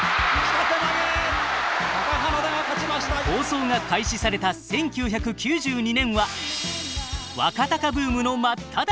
放送が開始された１９９２年は若貴ブームの真っただ中。